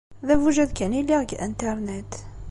D abujad kan i lliɣ deg Internet.